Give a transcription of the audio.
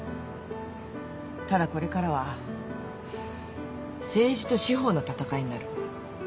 ただこれからは政治と司法の戦いになる。